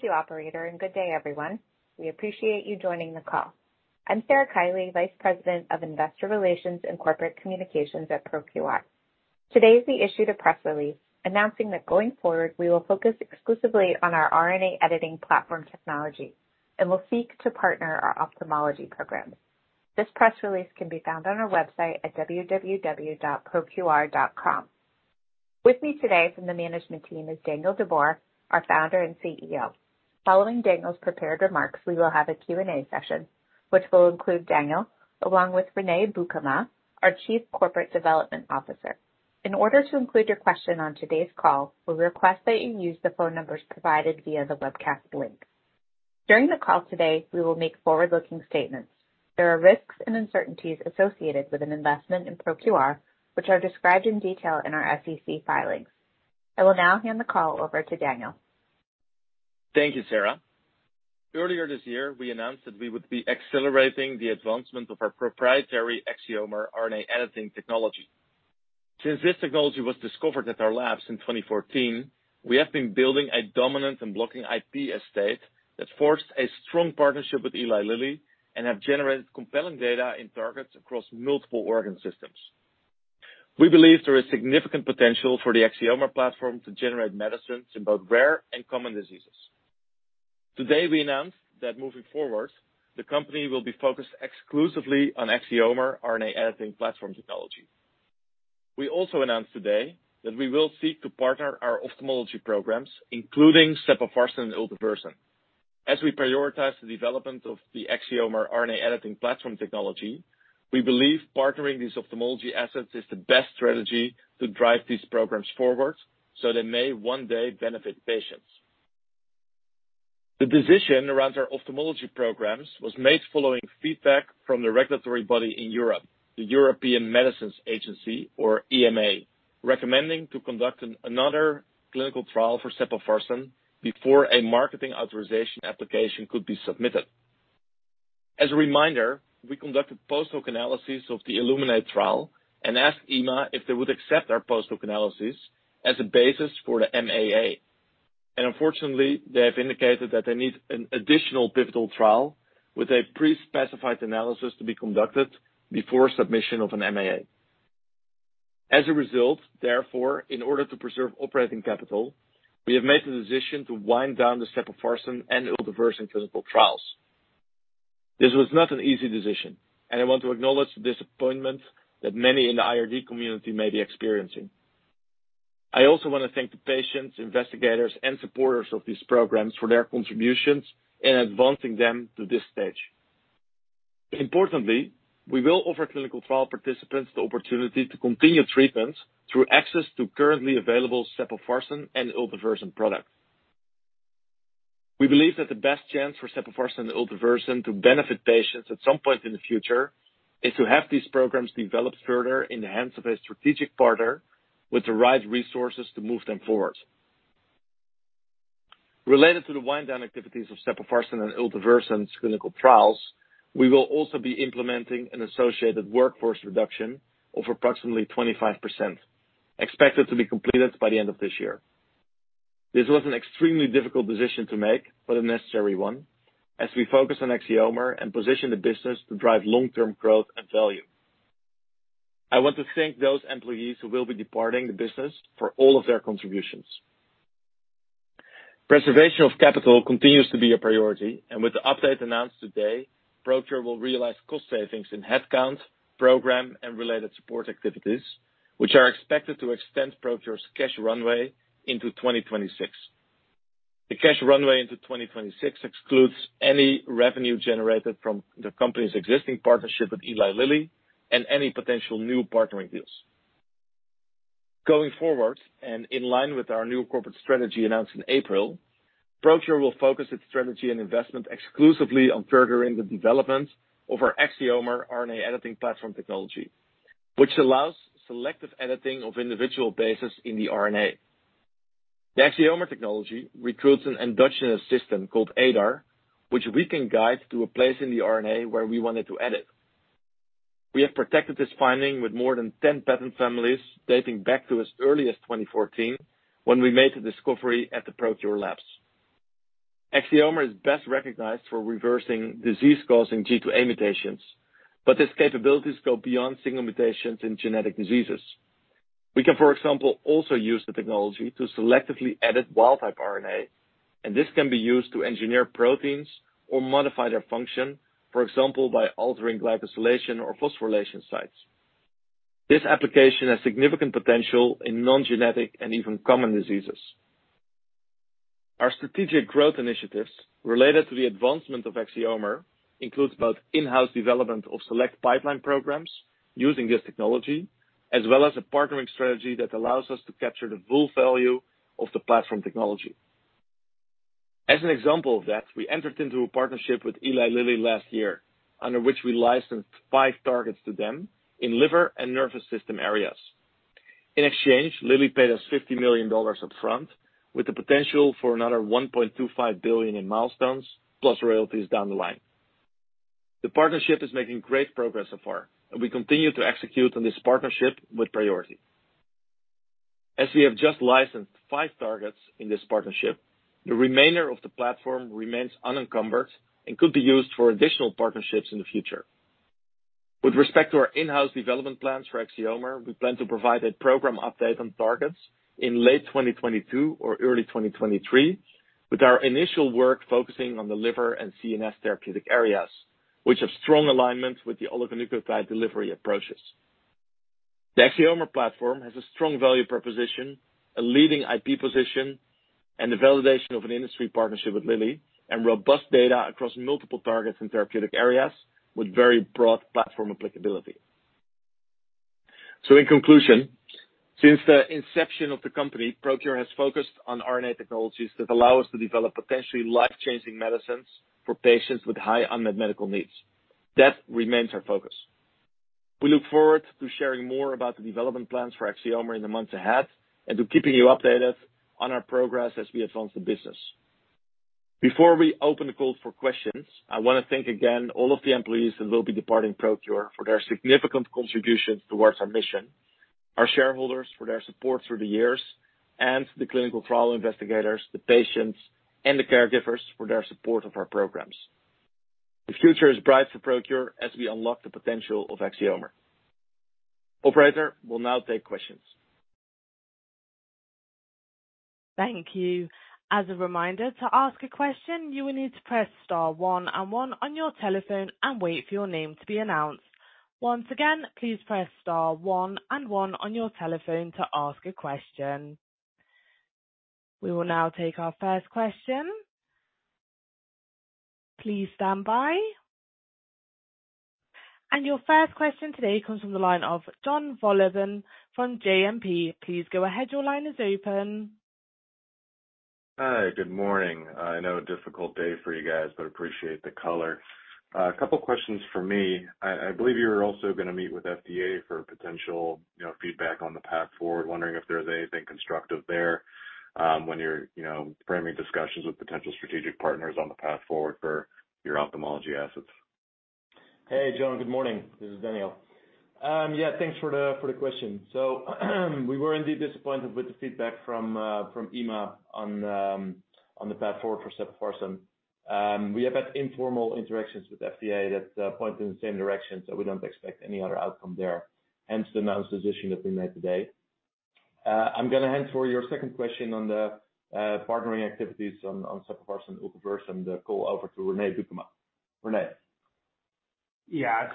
Thank you operator, and good day everyone. We appreciate you joining the call. I'm Sarah Kiely, Vice President of Investor Relations and Corporate Affairs at ProQR. Today, we issued a press release announcing that going forward, we will focus exclusively on our RNA editing platform technology and will seek to partner our ophthalmology programs. This press release can be found on our website at www.proqr.com. With me today from the management team is Daniel de Boer, our founder and CEO. Following Daniel's prepared remarks, we will have a Q&A session, which will include Daniel, along with René Beukema, our Chief Corporate Development Officer. In order to include your question on today's call, we request that you use the phone numbers provided via the webcast link. During the call today, we will make forward-looking statements. There are risks and uncertainties associated with an investment in ProQR, which are described in detail in our SEC filings. I will now hand the call over to Daniel. Thank you, Sarah. Earlier this year, we announced that we would be accelerating the advancement of our proprietary Axiomer RNA editing technology. Since this technology was discovered at our labs in 2014, we have been building a dominant and blocking IP estate that forged a strong partnership with Eli Lilly and have generated compelling data in targets across multiple organ systems. We believe there is significant potential for the Axiomer platform to generate medicines in both rare and common diseases. Today, we announced that moving forward, the company will be focused exclusively on Axiomer RNA editing platform technology. We also announced today that we will seek to partner our ophthalmology programs, including Sepofarsen and Ultevursen. As we prioritize the development of the Axiomer RNA editing platform technology, we believe partnering these ophthalmology assets is the best strategy to drive these programs forward, so they may one day benefit patients. The decision around our ophthalmology programs was made following feedback from the regulatory body in Europe, the European Medicines Agency, or EMA, recommending to conduct another clinical trial for Sepofarsen before a marketing authorization application could be submitted. As a reminder, we conducted post hoc analysis of the ILLUMINATE trial and asked EMA if they would accept our post hoc analysis as a basis for the MAA. Unfortunately, they have indicated that they need an additional pivotal trial with a pre-specified analysis to be conducted before submission of an MAA. As a result, therefore, in order to preserve operating capital, we have made the decision to wind down the Sepofarsen and Ultevursen clinical trials. This was not an easy decision, and I want to acknowledge the disappointment that many in the IRD community may be experiencing. I also want to thank the patients, investigators and supporters of these programs for their contributions in advancing them to this stage. Importantly, we will offer clinical trial participants the opportunity to continue treatments through access to currently available Sepofarsen and Ultevursen products. We believe that the best chance for Sepofarsen and Ultevursen to benefit patients at some point in the future is to have these programs developed further in the hands of a strategic partner with the right resources to move them forward. Related to the wind down activities of Sepofarsen and Ultevursen's clinical trials, we will also be implementing an associated workforce reduction of approximately 25%, expected to be completed by the end of this year. This was an extremely difficult decision to make, but a necessary one as we focus on Axiomer and position the business to drive long-term growth and value. I want to thank those employees who will be departing the business for all of their contributions. Preservation of capital continues to be a priority, and with the update announced today, ProQR will realize cost savings in headcount, program and related support activities, which are expected to extend ProQR's cash runway into 2026. The cash runway into 2026 excludes any revenue generated from the company's existing partnership with Eli Lilly and any potential new partnering deals. Going forward, and in line with our new corporate strategy announced in April, ProQR will focus its strategy and investment exclusively on furthering the development of our Axiomer RNA editing platform technology, which allows selective editing of individual bases in the RNA. The Axiomer technology recruits an endogenous system called ADAR, which we can guide to a place in the RNA where we want it to edit. We have protected this finding with more than 10 patent families dating back to as early as 2014, when we made the discovery at the ProQR labs. Axiomer is best recognized for reversing disease-causing G to A mutations, but its capabilities go beyond single mutations in genetic diseases. We can, for example, also use the technology to selectively edit wild type RNA, and this can be used to engineer proteins or modify their function, for example, by altering glycosylation or phosphorylation sites. This application has significant potential in non-genetic and even common diseases. Our strategic growth initiatives related to the advancement of Axiomer includes both in-house development of select pipeline programs using this technology, as well as a partnering strategy that allows us to capture the full value of the platform technology. As an example of that, we entered into a partnership with Eli Lilly last year, under which we licensed five targets to them in liver and nervous system areas. In exchange, Lilly paid us $50 million upfront, with the potential for another $1.25 billion in milestones plus royalties down the line. The partnership is making great progress so far, and we continue to execute on this partnership with priority. As we have just licensed five targets in this partnership, the remainder of the platform remains unencumbered and could be used for additional partnerships in the future. With respect to our in-house development plans for Axiomer, we plan to provide a program update on targets in late 2022 or early 2023, with our initial work focusing on the liver and CNS therapeutic areas, which have strong alignment with the oligonucleotide delivery approaches. The Axiomer platform has a strong value proposition, a leading IP position, and the validation of an industry partnership with Lilly, and robust data across multiple targets and therapeutic areas with very broad platform applicability. In conclusion, since the inception of the company, ProQR has focused on RNA technologies that allow us to develop potentially life-changing medicines for patients with high unmet medical needs. That remains our focus. We look forward to sharing more about the development plans for Axiomer in the months ahead and to keeping you updated on our progress as we advance the business. Before we open the call for questions, I want to thank again all of the employees that will be departing ProQR for their significant contributions towards our mission, our shareholders for their support through the years, and the clinical trial investigators, the patients, and the caregivers for their support of our programs. The future is bright for ProQR as we unlock the potential of Axiomer. Operator, we'll now take questions. Thank you. As a reminder, to ask a question, you will need to press star one and one on your telephone and wait for your name to be announced. Once again, please press star one and one on your telephone to ask a question. We will now take our first question. Please stand by. Your first question today comes from the line of John Vollmer from JMP. Please go ahead. Your line is open. Hi, good morning. I know a difficult day for you guys, but appreciate the color. A couple questions for me. I believe you were also going to meet with FDA for potential, you know, feedback on the path forward. Wondering if there's anything constructive there, when you're, you know, framing discussions with potential strategic partners on the path forward for your ophthalmology assets. Hey, John. Good morning. This is Daniel. Thanks for the question. We were indeed disappointed with the feedback from EMA on the path forward for Sepofarsen. We have had informal interactions with FDA that point in the same direction, so we don't expect any other outcome there, hence the announced decision that we made today. I'm gonna hand, for your second question on the partnering activities on Sepofarsen and Ultevursen, the call over to René Beukema. René. Yeah.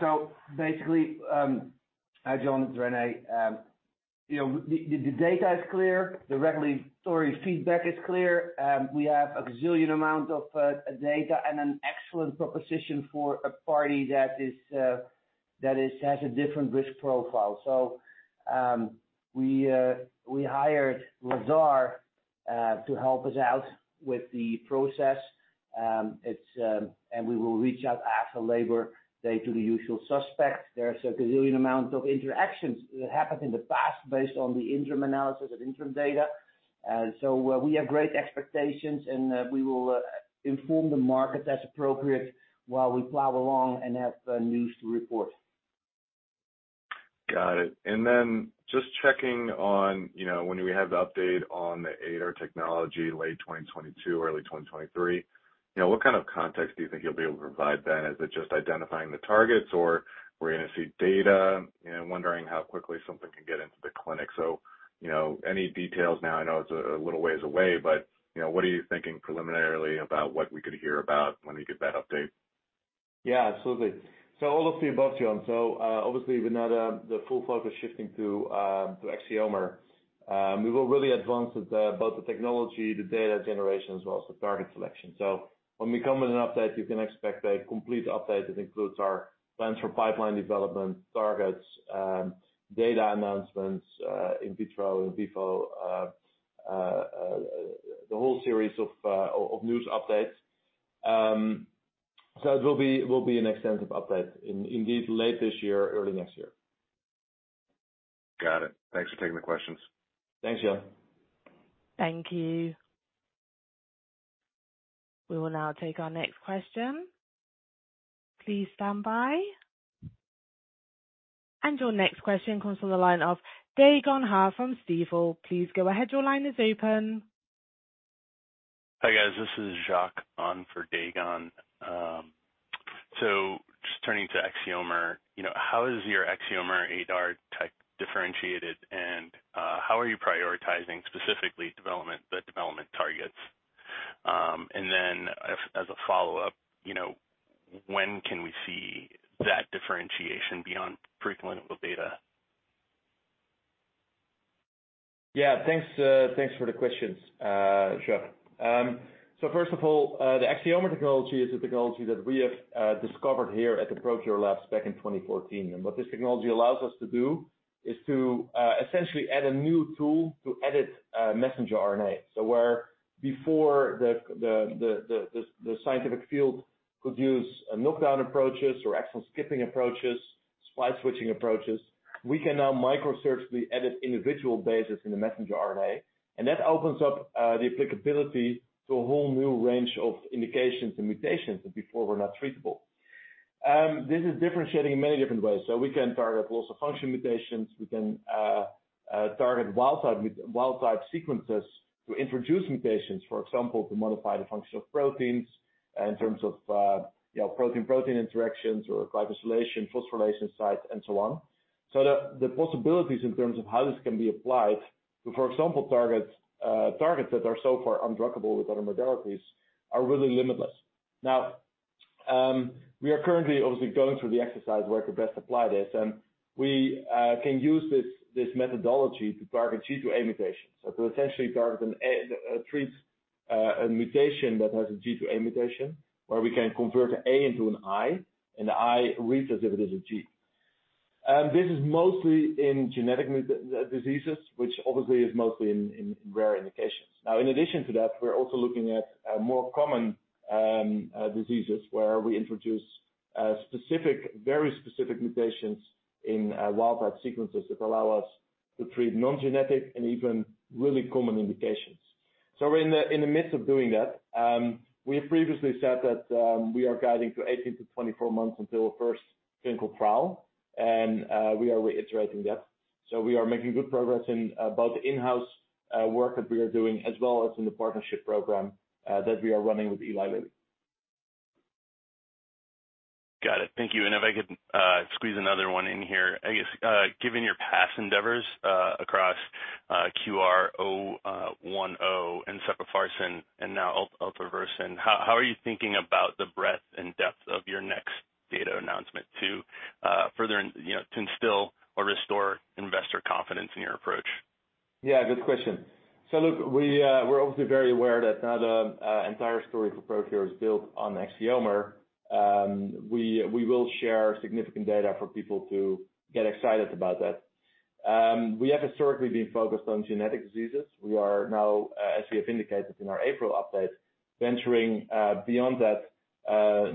Basically, Hi, John, it's René. You know, the data is clear. The regulatory feedback is clear. We have a gazillion amount of data and an excellent proposition for a party that has a different risk profile. We hired Lazard to help us out with the process. We will reach out after Labor Day to the usual suspects. There's a gazillion amount of interactions that happened in the past based on the interim analysis of interim data. We have great expectations, and we will inform the market as appropriate while we plow along and have news to report. Got it. Just checking on, you know, when we have the update on the ADAR technology late 2022 or early 2023, you know, what kind of context do you think you'll be able to provide then? Is it just identifying the targets or we're gonna see data? You know, wondering how quickly something can get into the clinic. Any details now, I know it's a little ways away, but, you know, what are you thinking preliminarily about what we could hear about when we get that update? Yeah, absolutely. All of the above, John. Obviously with now the full focus shifting to Axiomer, we will really advance with both the technology, the data generation, as well as the target selection. When we come with an update, you can expect a complete update that includes our plans for pipeline development, targets, data announcements, in vitro and vivo, the whole series of news updates. It will be an extensive update, indeed late this year, early next year. Got it. Thanks for taking the questions. Thanks, John. Thank you. We will now take our next question. Please stand by. Your next question comes from the line of Dae Gon Ha from Stifel. Please go ahead. Your line is open. Hi, guys. This is Jacques on for Dae Gon. Just turning to Axiomer, you know, how is your Axiomer ADAR tech differentiated and, how are you prioritizing specifically development, the development targets? Then as a follow-up, you know, when can we see that differentiation beyond preclinical data? Yeah. Thanks for the questions, Jacques. First of all, the Axiomer technology is a technology that we have discovered here at the ProQR labs back in 2014. What this technology allows us to do is to essentially add a new tool to edit messenger RNA. Where before the scientific field could use knockdown approaches or exon-skipping approaches, splice switching approaches, we can now microsurgically edit individual bases in the messenger RNA, and that opens up the applicability to a whole new range of indications and mutations that before were not treatable. This is differentiating in many different ways. We can target loss-of-function mutations. We can target wild type sequences to introduce mutations. For example, to modify the function of proteins in terms of, you know, protein-protein interactions or glycosylation, phosphorylation sites and so on. The possibilities in terms of how this can be applied to, for example, targets that are so far undruggable with other modalities are really limitless. Now, we are currently obviously going through the exercise where to best apply this, and we can use this methodology to target G-to-A mutations. To essentially treat a mutation that has a G-to-A mutation, where we can convert the A into an I, and the I reads as if it is a G. This is mostly in genetic diseases, which obviously is mostly in rare indications. Now, in addition to that, we're also looking at more common diseases where we introduce specific, very specific mutations in wild type sequences that allow us to treat non-genetic and even really common indications. We're in the midst of doing that. We have previously said that we are guiding to 18-24 months until first clinical trial, and we are reiterating that. We are making good progress in both in-house work that we are doing, as well as in the partnership program that we are running with Eli Lilly. Got it. Thank you. If I could squeeze another one in here. I guess, given your past endeavors across QR-010 and Sepofarsen and Ultevursen, how are you thinking about the breadth and depth of your next data announcement to further, you know, to instill or restore investor confidence in your approach? Yeah, good question. Look, we're obviously very aware that not the entire story for ProQR is built on Axiomer. We will share significant data for people to get excited about that. We have historically been focused on genetic diseases. We are now, as we have indicated in our April update, venturing beyond that,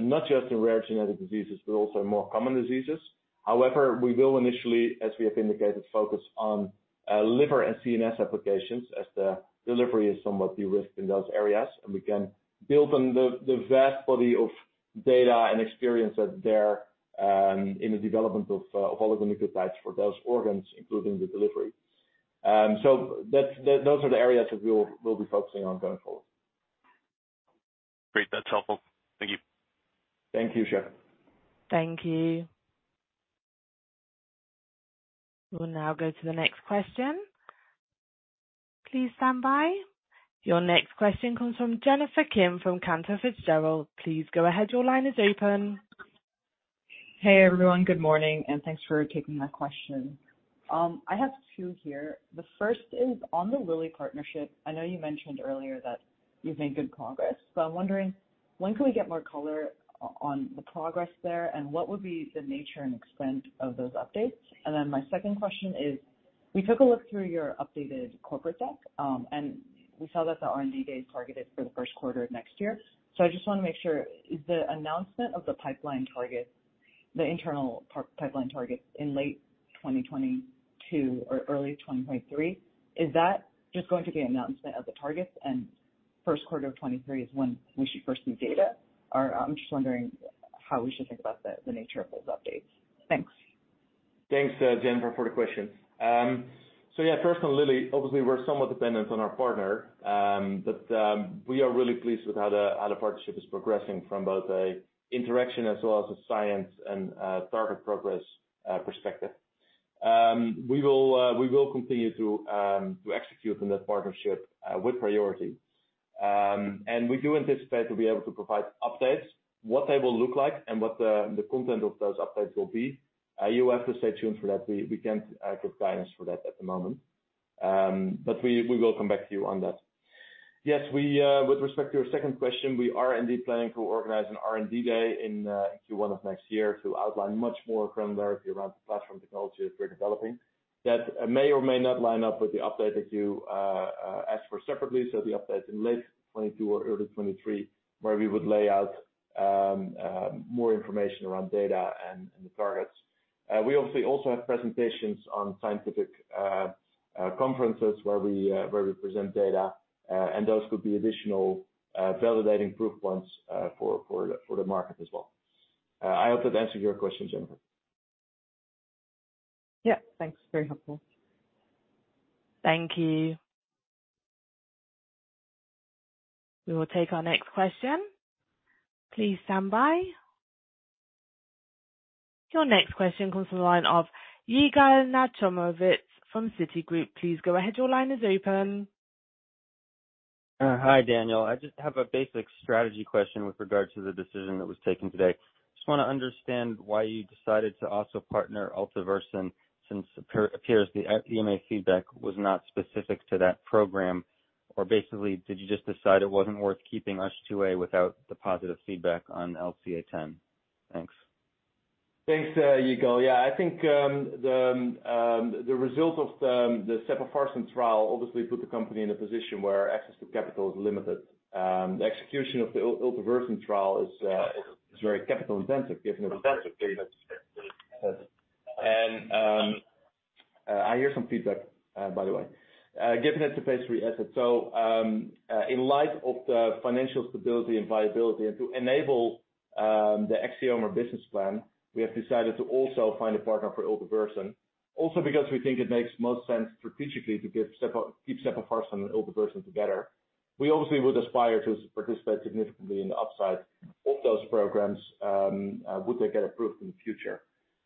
not just in rare genetic diseases, but also in more common diseases. However, we will initially, as we have indicated, focus on liver and CNS applications as the delivery is somewhat de-risked in those areas, and we can build on the vast body of data and experience that's there, in the development of oligonucleotides for those organs, including the delivery. Those are the areas that we'll be focusing on going forward. Great. That's helpful. Thank you. Thank you, Jacques. Thank you. We'll now go to the next question. Please stand by. Your next question comes from Jennifer Kim from Cantor Fitzgerald. Please go ahead. Your line is open. Hey, everyone. Good morning, and thanks for taking my question. I have two here. The first is on the Lilly partnership. I know you mentioned earlier that you've made good progress, but I'm wondering when can we get more color on the progress there, and what would be the nature and extent of those updates? My second question is, we took a look through your updated corporate deck, and we saw that the R&D Day is targeted for the Q1 of next year. I just wanna make sure, is the announcement of the pipeline targets, the internal pipeline targets in late 2022 or early 2023, is that just going to be an announcement of the targets and Q1 of 2023 is when we should first see data? I'm just wondering how we should think about the nature of those updates. Thanks. Thanks, Jennifer, for the question. Yeah, first on Lilly, obviously, we're somewhat dependent on our partner, but we are really pleased with how the partnership is progressing from both an interaction as well as a science and a target progress perspective. We will continue to execute on that partnership with priority. We do anticipate to be able to provide updates. What they will look like and what the content of those updates will be, you have to stay tuned for that. We can't give guidance for that at the moment. We will come back to you on that. Yes, we, with respect to your second question, we are indeed planning to organize an R&D day in Q1 of next year to outline much more clarity around the platform technology that we're developing. That may or may not line up with the update that you asked for separately. The update in late 2022 or early 2023, where we would lay out more information around data and the targets. We obviously also have presentations on scientific conferences where we present data, and those could be additional validating proof points for the market as well. I hope that answered your question, Jennifer Kim. Yeah. Thanks. Very helpful. Thank you. We will take our next question. Please stand by. Your next question comes from the line of Yigal Nachumovitz from Citigroup. Please go ahead. Your line is open. Hi, Daniel. I just have a basic strategy question with regards to the decision that was taken today. Just wanna understand why you decided to also partner Ultevursen since appears the EMA feedback was not specific to that program? Or basically, did you just decide it wasn't worth keeping USH2A without the positive feedback on LCA10? Thanks. Thanks, Yigal. Yeah, I think the result of the Sepofarsen trial obviously put the company in a position where access to capital is limited. The execution of the Ultevursen trial is very capital intensive given it's a phase III asset. I hear some feedback, by the way. In light of the financial stability and viability and to enable the Axiomer business plan, we have decided to also find a partner for Ultevursen. Also because we think it makes most sense strategically to keep Sepofarsen and Ultevursen together. We obviously would aspire to participate significantly in the upside of those programs would they get approved in the future.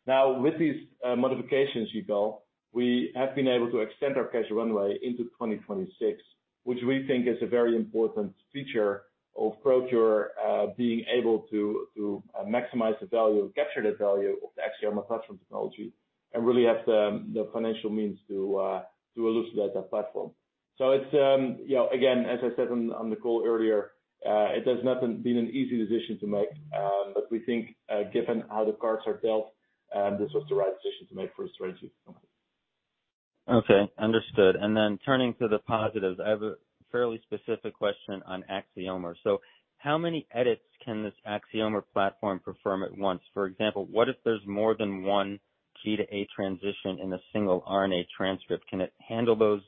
Now, with these modifications, Yigal, we have been able to extend our cash runway into 2026, which we think is a very important feature of ProQR, being able to maximize the value, capture the value of the Axiomer platform technology and really have the financial means to elucidate that platform. It's, you know, again, as I said on the call earlier, it has not been an easy decision to make, but we think, given how the cards are dealt, this was the right decision to make for the strategy of the company. Okay, understood. Turning to the positives, I have a fairly specific question on Axiomer. How many edits can this Axiomer platform perform at once? For example, what if there's more than one G-to-A transition in a single RNA transcript? Can it handle those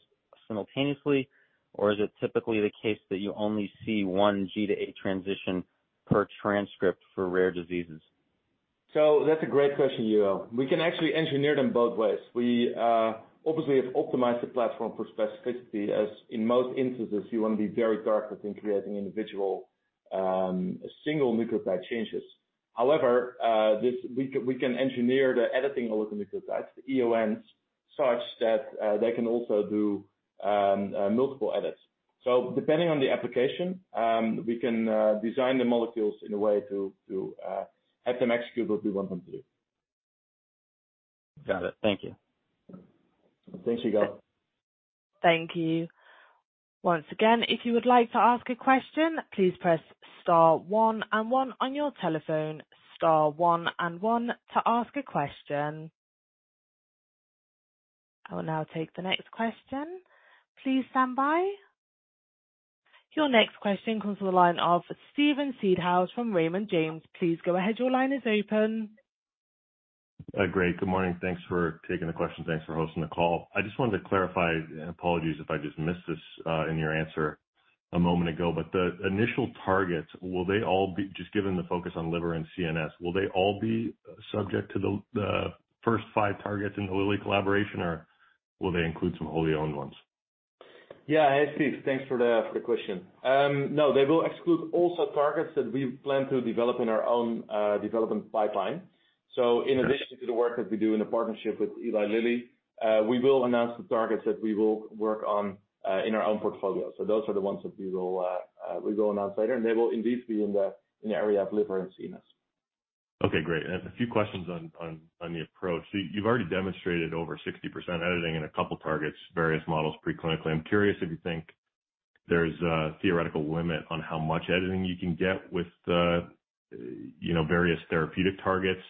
simultaneously, or is it typically the case that you only see one G-to-A transition per transcript for rare diseases? That's a great question, Yigal. We can actually engineer them both ways. We obviously have optimized the platform for specificity, as in most instances you wanna be very targeted in creating individual single nucleotide changes. However, we can engineer the editing oligonucleotides, the EONs, such that they can also do multiple edits. Depending on the application, we can design the molecules in a way to have them execute what we want them to do. Got it. Thank you. Thanks, Yigal. Thank you. Once again, if you would like to ask a question, please press star one one on your telephone. Star one one to ask a question. I will now take the next question. Please stand by. Your next question comes from the line of Steven Seedhouse from Raymond James. Please go ahead. Your line is open. Great. Good morning. Thanks for taking the question. Thanks for hosting the call. I just wanted to clarify, apologies if I just missed this, in your answer a moment ago, but the initial targets, will they all be just given the focus on liver and CNS, will they all be subject to the first five targets in the Lilly collaboration, or will they include some wholly owned ones? Yeah. Hey, Steve. Thanks for the question. No, they will exclude also targets that we plan to develop in our own development pipeline. In addition to the work that we do in the partnership with Eli Lilly, we will announce the targets that we will work on in our own portfolio. Those are the ones that we will announce later, and they will indeed be in the area of liver and CNS. Okay, great. A few questions on the approach. You've already demonstrated over 60% editing in a couple targets, various models preclinically. I'm curious if you think there's a theoretical limit on how much editing you can get with the, you know, various therapeutic targets,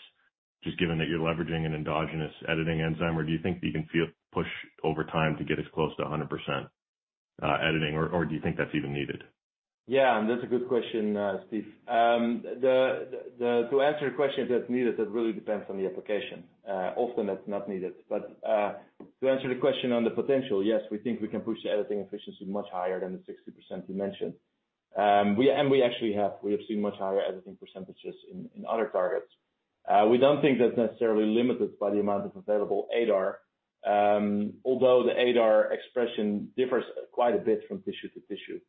just given that you're leveraging an endogenous editing enzyme. Or do you think that you can really push over time to get as close to 100% editing? Or do you think that's even needed? Yeah, that's a good question, Steve. To answer your question, if that's needed, that really depends on the application. Often that's not needed. To answer the question on the potential, yes, we think we can push the editing efficiency much higher than the 60% you mentioned. We actually have seen much higher editing percentages in other targets. We don't think that's necessarily limited by the amount of available ADAR, although the ADAR expression differs quite a bit from tissue to tissue.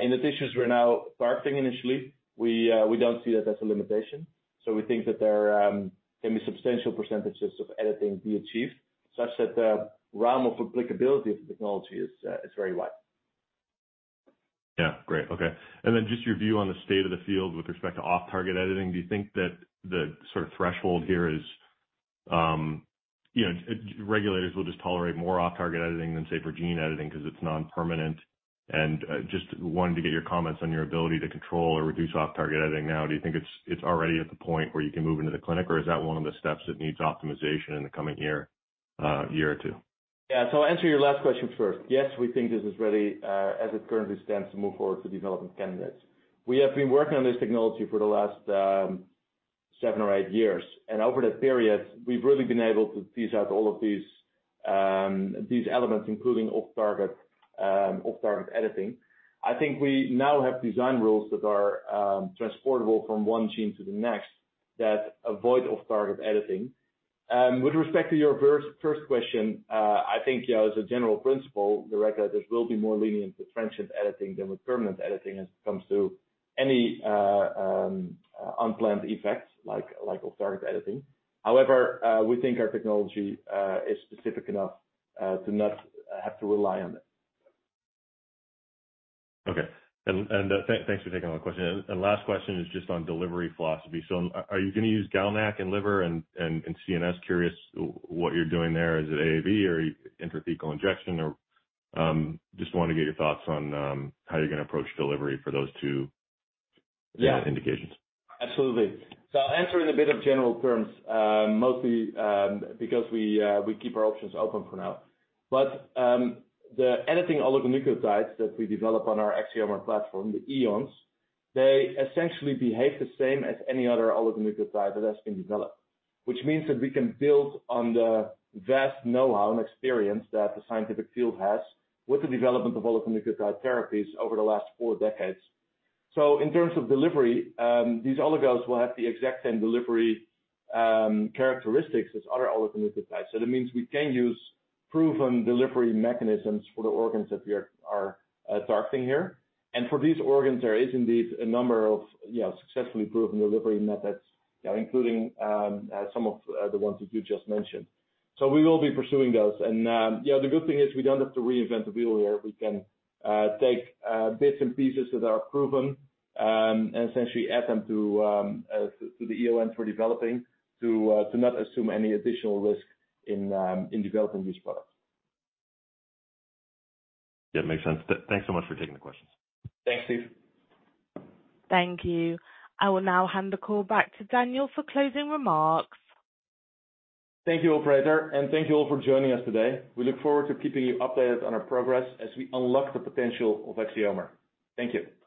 In the tissues we're now targeting initially, we don't see that as a limitation. We think that can be substantial percentages of editing be achieved such that the realm of applicability of the technology is very wide. Yeah. Great. Okay. Just your view on the state of the field with respect to off-target editing. Do you think that the sort of threshold here is, you know, regulators will just tolerate more off-target editing than, say, for gene editing because it's non-permanent? Just wanted to get your comments on your ability to control or reduce off-target editing. Do you think it's already at the point where you can move into the clinic, or is that one of the steps that needs optimization in the coming year or two? Yeah. I'll answer your last question first. Yes, we think this is ready, as it currently stands to move forward to developing candidates. We have been working on this technology for the last, seven or eight years, and over that period, we've really been able to piece out all of these elements, including off-target editing. I think we now have design rules that are, transportable from one gene to the next that avoid off-target editing. With respect to your first question, I think, you know, as a general principle, the regulators will be more lenient with transient editing than with permanent editing as it comes to any, unplanned effects like off-target editing. However, we think our technology is specific enough to not have to rely on it. Okay. Thanks for taking my question. Last question is just on delivery philosophy. Are you gonna use GALNAc in liver and CNS? Curious what you're doing there. Is it AAV or intrahepatic injection or just wanna get your thoughts on how you're gonna approach delivery for those two? Yeah. indications. Absolutely. I'll answer in a bit of general terms, mostly, because we keep our options open for now. The editing oligonucleotides that we develop on our Axiomer platform, the EONs, they essentially behave the same as any other oligonucleotide that has been developed. Which means that we can build on the vast know-how and experience that the scientific field has with the development of oligonucleotide therapies over the last four decades. In terms of delivery, these oligos will have the exact same delivery characteristics as other oligonucleotides. That means we can use proven delivery mechanisms for the organs that we are targeting here. For these organs, there is indeed a number of, you know, successfully proven delivery methods, including some of the ones that you just mentioned. We will be pursuing those. The good thing is we don't have to reinvent the wheel here. We can take bits and pieces that are proven and essentially add them to the EONs we're developing to not assume any additional risk in developing these products. Yeah, makes sense. Thanks so much for taking the questions. Thanks, Steve. Thank you. I will now hand the call back to Daniel for closing remarks. Thank you, operator, and thank you all for joining us today. We look forward to keeping you updated on our progress as we unlock the potential of Axiomer. Thank you.